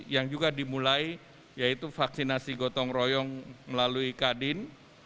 yang juga dimulai yaitu vaksinasi gotong royong melalui kadin